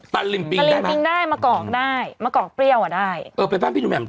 ตาลินปิงได้ไหมตาลินปิงได้มะกอกได้มะกอกเปรี้ยวอ่ะได้เออเป็นป้าพี่หนูแหม่ม